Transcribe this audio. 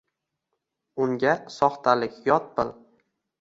Unga soxtalik yot bil.